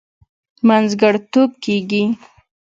منځګړتوب کېږي.